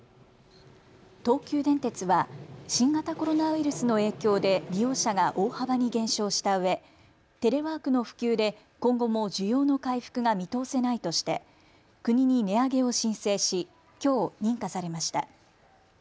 東急電鉄は新型コロナウイルスの影響で利用者が大幅に減少したうえテレワークの普及で今後も需要の回復が見通せないとして国に値上げを申請しきょう、認可されました。